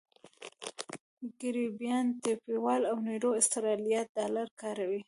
کیریباټی، ټیوالو او نیرو اسټرالیایي ډالر کاروي.